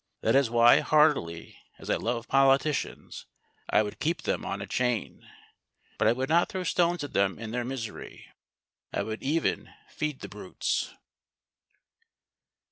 That is why, heartily as I love politicians, I would keep them on a chain. But I would not throw stones at them in their misery. I would even feed the brutes.